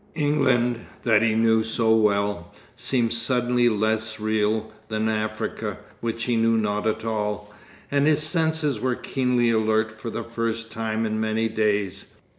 England, that he knew so well, seemed suddenly less real than Africa, which he knew not at all, and his senses were keenly alert for the first time in many days.